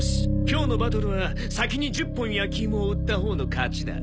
今日のバトルは先に１０本焼き芋を売ったほうの勝ちだ！